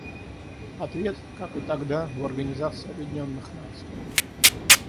Ответ, как и тогда, — в Организации Объединенных Наций.